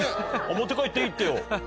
持って帰っていいってよ。